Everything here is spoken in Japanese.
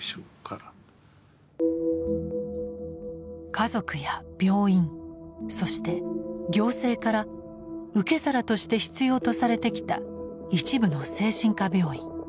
家族や病院そして行政から受け皿として必要とされてきた一部の精神科病院。